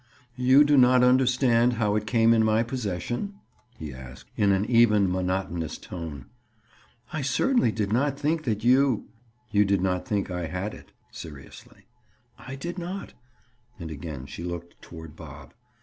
"You do not understand how it came in my possession?" he asked, in an even monotonous tone. "I certainly did not think that you—" "You didn't think I had it?" Seriously. "I did not." And again she looked toward Bob.